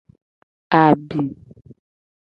Abi.